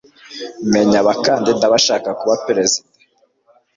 Menya abakandida bashaka kuba Perezida